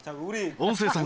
音声さん？